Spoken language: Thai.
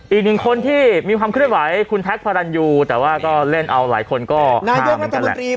อีกหนึ่งคนที่มีความเคลื่อนไหวคุณแท็กพระรันยูแต่ว่าก็เล่นเอาหลายคนก็ฮาเหมือนกันแหละ